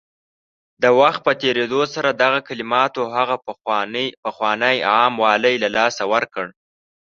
د وخت په تېرېدو سره دغه کلماتو هغه پخوانی عام والی له لاسه ورکړ